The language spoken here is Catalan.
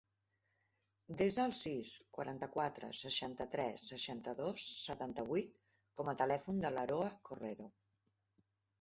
Desa el sis, quaranta-quatre, seixanta-tres, seixanta-dos, setanta-vuit com a telèfon de l'Aroa Correro.